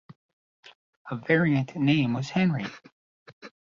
A variant name was "Henry".